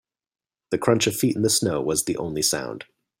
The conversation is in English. The crunch of feet in the snow was the only sound.